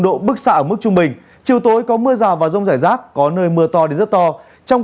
độ bức xạ ở mức trung bình chiều tối có mưa rào và rông rải rác có nơi mưa to đến rất to trong